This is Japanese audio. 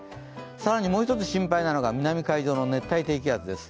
更にもう１つ心配なのが南海上の熱帯低気圧です。